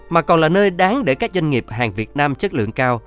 mà còn là nơi đáng để các doanh nghiệp hàng việt nam chất lượng cao